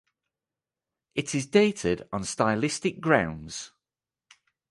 It is dated on stylistic grounds.